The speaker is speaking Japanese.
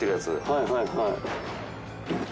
はいはいはい。